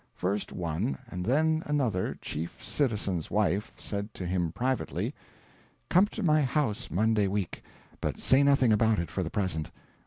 First one and then another chief citizen's wife said to him privately: "Come to my house Monday week but say nothing about it for the present.